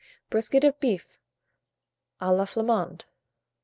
BRISKET OF BEEF, a la Flamande.